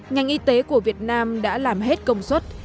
ngành y tế của việt nam đã làm hết công suất